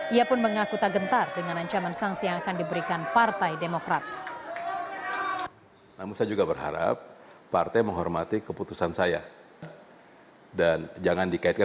ia pun mengaku tak gentar dengan ayatnya